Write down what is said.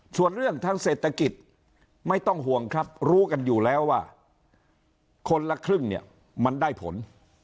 ส่วนเรื่องทางเศรษฐกิจไม่ต้องห่วงครับรู้กันอยู่แล้วว่าคนละครึ่งเนี่ยมันได้ผล